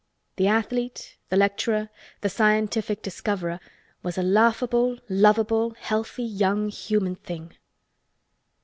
The Athlete, the Lecturer, the Scientific Discoverer was a laughable, lovable, healthy young human thing.